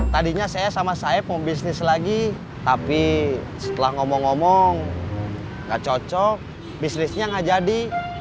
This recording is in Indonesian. tadinya saya sama saya mau bisnis lagi tapi setelah ngomong ngomong gak cocok bisnisnya nggak jadi